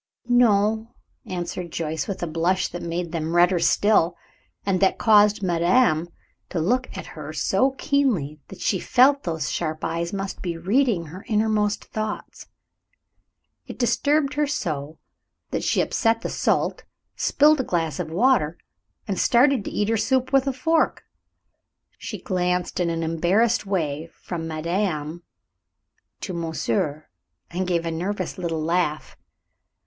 "No," answered Joyce, with a blush that made them redder still, and that caused madame to look at her so keenly that she felt those sharp eyes must be reading her inmost thoughts. It disturbed her so that she upset the salt, spilled a glass of water, and started to eat her soup with a fork. She glanced in an embarrassed way from madame to monsieur, and gave a nervous little laugh.